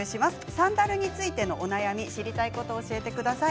サンダルについてのお悩み知りたいことを教えてください。